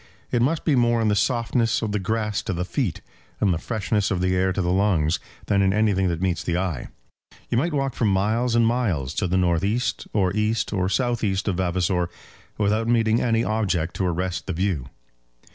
It must be more in the softness of the grass to the feet, and the freshness of the air to the lungs, than in anything that meets the eye. You might walk for miles and miles to the north east, or east, or south east of Vavasor without meeting any object to arrest the view.